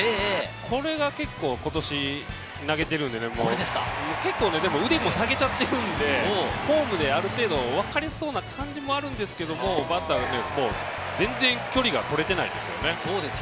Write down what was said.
これが結構今年投げているんでね、結構、腕も下げちゃっているので、フォームである程度わかれそうな感じもあるんですけど、バッターが全然、距離が取れていないですよね。